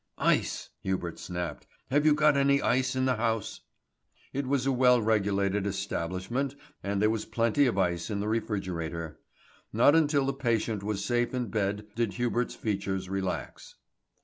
"Ice," Hubert snapped, "have you got any ice in the house?" It was a well regulated establishment and there was plenty of ice in the refrigerator. Not until the patient was safe in bed did Hubert's features relax.